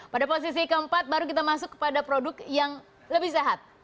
pada posisi keempat baru kita masuk kepada produk yang lebih sehat